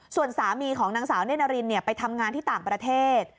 ส่วนสามีของนางสาวเน่นารินไปทำงานที่ต่างประเทศ